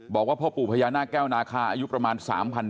บอกว่าพ่อปู่พญานาคแก้วนาคาอายุประมาณ๓๐๐